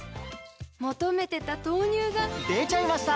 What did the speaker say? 求めてた豆乳がでちゃいました！